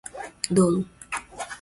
dolo